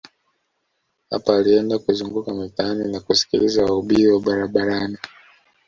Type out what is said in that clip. Hapa alienda kuzunguka mitaani na kusikiliza wahubiri wa barabarani